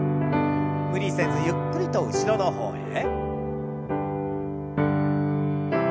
無理せずゆっくりと後ろの方へ。